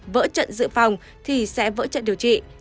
vỡ trận dự phòng thì sẽ vỡ trận điều trị